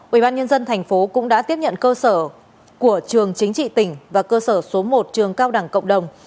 ubnd tp cũng đã tiếp nhận cơ sở của trường chính trị tỉnh và cơ sở số một trường cao đẳng cộng đồng